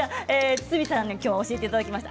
堤さんに教えていただきました。